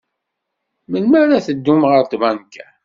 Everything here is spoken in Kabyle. Melmi ara teddum ɣer tbanka?